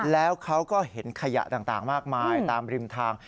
แล้วเขาก็เห็นขยะต่างมากมายตามริมทาง